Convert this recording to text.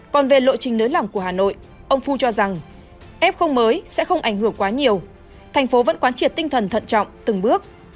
còn về lộ trình nới lỏng của hà nội ông phu cho rằng f mới sẽ không ảnh hưởng quá nhiều thành phố vẫn quán triệt tinh thần thận trọng từng bước